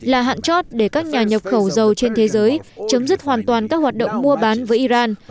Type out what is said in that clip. là hạn chót để các nhà nhập khẩu dầu trên thế giới chấm dứt hoàn toàn các hoạt động mua bán với iran